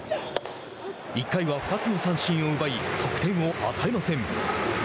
１回は２つの三振を奪い得点を与えません。